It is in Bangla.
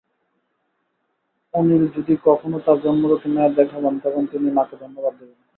অনিল যদি কখনো তাঁর জন্মদাত্রী মায়ের দেখা পান, তখন তিনি মাকে ধন্যবাদ দেবেন।